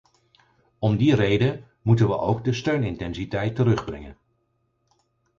Om die reden moeten we ook de steunintensiteit terugbrengen.